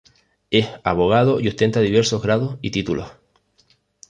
Es abogado y ostenta diversos grados y títulos.